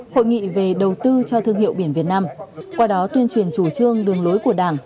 hội nghị về đầu tư cho thương hiệu biển việt nam qua đó tuyên truyền chủ trương đường lối của đảng